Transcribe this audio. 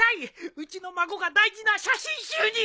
うちの孫が大事な写真集に。